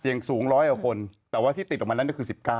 เสี่ยงสูงร้อยกว่าคนแต่ว่าที่ติดออกมานั้นก็คือ๑๙